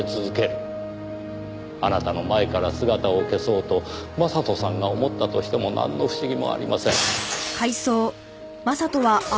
あなたの前から姿を消そうと将人さんが思ったとしてもなんの不思議もありません。